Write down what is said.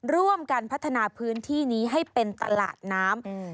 ร่วมกันพัฒนาพื้นที่นี้ให้เป็นตลาดน้ำ